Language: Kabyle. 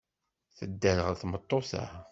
Tedderɣel tmeṭṭut-a.